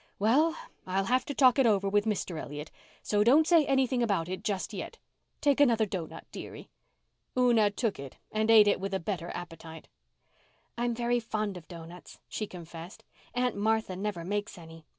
"Well, I'll have to talk it over with Mr. Elliott. So don't say anything about it just yet. Take another doughnut, dearie." Una took it and ate it with a better appetite. "I'm very fond of doughnuts," she confessed "Aunt Martha never makes any.